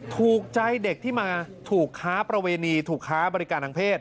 ถูกใจเด็กที่มาถูกค้าประเวณีถูกค้าบริการทางเพศ